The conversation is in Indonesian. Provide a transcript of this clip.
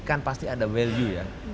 kan pasti ada value ya